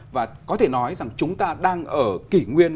và có thể nói rằng chúng ta đang ở kỷ nguyên